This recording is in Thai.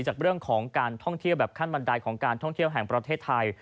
จากเรื่องของการท่องเที่ยวแบบขั้นบันไดของการท่องเที่ยวแห่งประเทศไทย